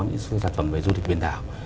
những sản phẩm về du lịch biển đảo